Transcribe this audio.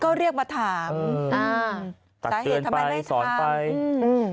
ก็เรียกมาถามสาเหตุทำไมไม่ได้ถาม